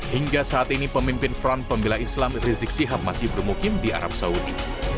hingga saat ini pemimpin front pembela islam rizik sihab masih bermukim di arab saudi